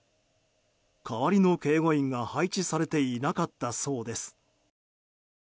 代わりの警護員が配置されていなかったそうです。